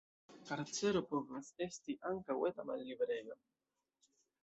Karcero povas esti ankaŭ eta malliberejo.